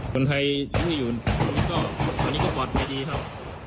คนไทยที่ไม่อยู่ตอนนี้ก็ปลอดภัยดีครับ